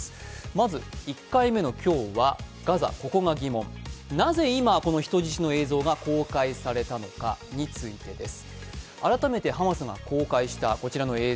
まず、１回目の今日は、ガザここが疑問、「なぜいま、人質映像を公開したのか？」についてです。